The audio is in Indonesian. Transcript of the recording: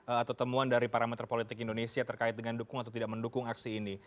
atau temuan dari parameter politik indonesia terkait dengan dukung atau tidak mendukung aksi ini